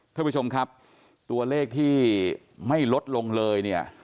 ท่านผู้ชมครับตัวเลขที่ไม่ลดลงเลยเนี่ย